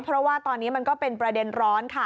เพราะว่าตอนนี้มันก็เป็นประเด็นร้อนค่ะ